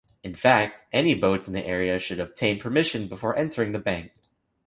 In fact, any boats in the area should obtain permission before entering the bank.